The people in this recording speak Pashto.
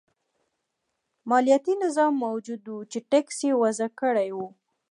مالیاتي نظام موجود و چې ټکس یې وضعه کړی و.